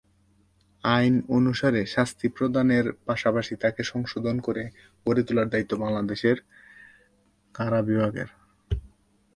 আইন অনুসারে শাস্তি প্রদানের পাশাপাশি তাকে সংশোধন করে গড়ে তোলার দায়িত্ব বাংলাদেশ কারা বিভাগের।